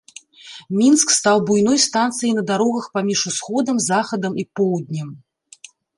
Мінск стаў буйной станцыяй на дарогах паміж усходам, захадам і поўднем.